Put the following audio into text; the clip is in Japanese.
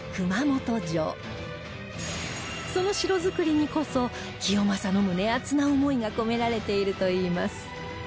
その城造りにこそ清正の胸アツな思いが込められているといいます